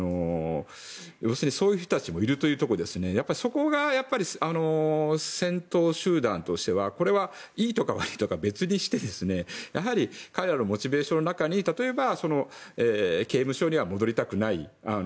要するに、そういう人たちもいるということでそこが、やっぱり戦闘集団としてはこれはいいとか、悪いとか別にして彼らのモチベーションの中に例えば、刑務所には戻りたくない